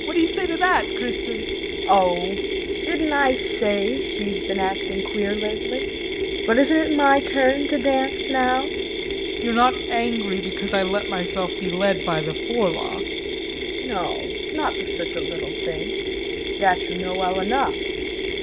What do you say to that, Kristin? KRISTIN. Oh, didn't I say she's been acting queer lately? But isn't it my turn to dance now? JEAN. You are not angry because I let myself be led by the forelock? KRISTIN. No, not for such a little thing. That you know well enough.